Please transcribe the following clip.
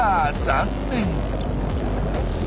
残念。